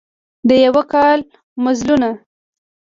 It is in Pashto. د یوه کال مزلونه